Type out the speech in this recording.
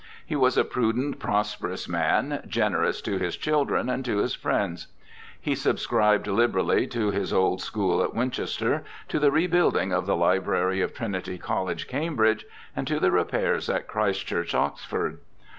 He was a prudent, prosperous man, generous to his children and to his friends. He subscribed liberally to his old school at Winchester, to the rebuilding of the Library of Trinity College, Cambridge, and to the repairs at Christ Church, Oxford.